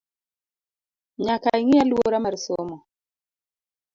Nyaka ing’i aluora mar somo